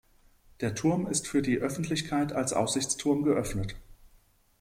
Der Turm ist für die Öffentlichkeit als Aussichtsturm geöffnet.